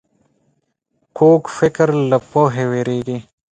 کوږ فکر له پوهې وېرېږي